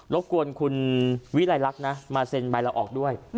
บกวนคุณวิรัยลักษณ์นะมาเซ็นใบละออกด้วย